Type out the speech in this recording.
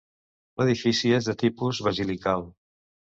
L'edifici és de tipus basilical.